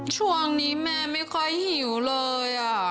ช่วงนี้แม่ไม่ค่อยหิวเลย